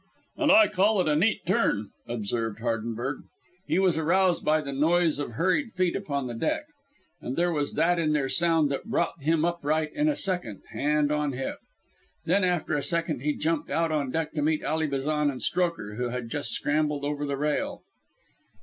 "And I call it a neat turn," observed Hardenberg. He was aroused by the noise of hurried feet upon the deck, and there was that in their sound that brought him upright in a second, hand on hip. Then, after a second, he jumped out on deck to meet Ally Bazan and Strokher, who had just scrambled over the rail.